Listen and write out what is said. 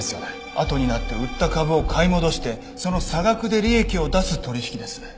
あとになって売った株を買い戻してその差額で利益を出す取引です。